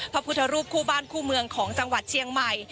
พระพุทธรูปคู่บ้านคู่เมืองของจังหวัดเชียงใหม่